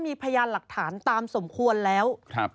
มีพยานหลักฐานตามสมควรแล้ว